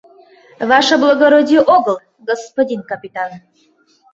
— Ваше благородие огыл, господин капитан.